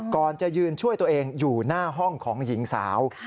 ก่อนจะยืนช่วยตัวเองอยู่หน้าห้องของหญิงสาว